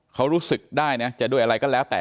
เขารู้สึกได้นะจะด้วยอะไรก็แล้วแต่